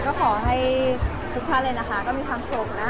ขอให้ทุกท่านนะครับมีความสุขนะ